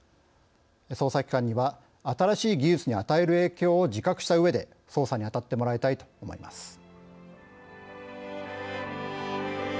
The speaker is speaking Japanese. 捜査機関には、新しい技術に与える影響を自覚したうえで捜査にあたってもらいたいと思います。